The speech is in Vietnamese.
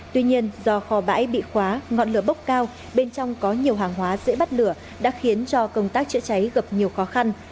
tuy nhiên do kho bãi bị khóa ngọn lửa bốc cao bên trong có nhiều hàng hóa dễ bắt lửa đã khiến cho công tác chữa cháy gặp nhiều khó khăn